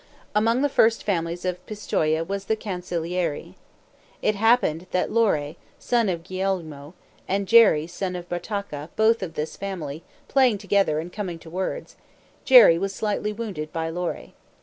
Among the first families of Pistoia was the Cancellieri. It happened that Lore, son of Gulielmo, and Geri, son of Bertacca, both of this family, playing together, and coming to words, Geri was slightly wounded by Lore.